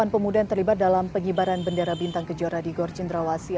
delapan pemuda yang terlibat dalam pengibaran bendera bintang kejuara di gorjendrawasi